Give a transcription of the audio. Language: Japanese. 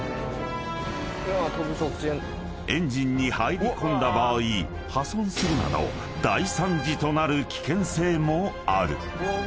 ［エンジンに入り込んだ場合破損するなど大惨事となる危険性もある］